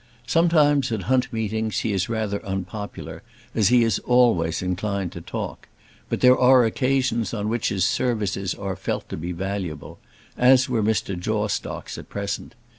Sometimes at hunt meetings he is rather unpopular, as he is always inclined to talk. But there are occasions on which his services are felt to be valuable, as were Mr. Jawstock's at present.